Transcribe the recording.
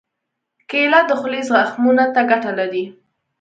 کېله د خولې زخمونو ته ګټه لري.